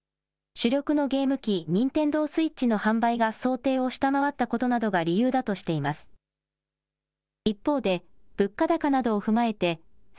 主力のゲーム機、ニンテンドースイッチの販売が想定を下回ったことなどが理由だとしています。